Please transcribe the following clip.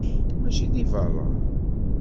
Mačči di berra.